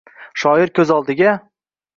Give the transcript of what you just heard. Shoir ko’z oldiga